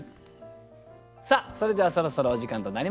さあそれではそろそろお時間となりました。